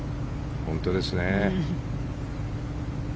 本当ですね。